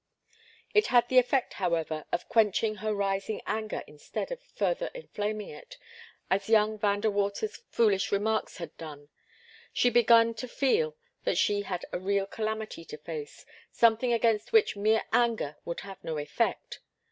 It had the effect, however, of quenching her rising anger instead of further inflaming it, as young Van De Water's foolish remarks had done. She begun to feel that she had a real calamity to face something against which mere anger would have no effect.